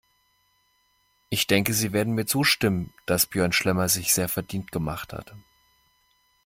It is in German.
Ich denke, Sie werden mir zustimmen, dass Björn Schlemmer sich sehr verdient gemacht hat.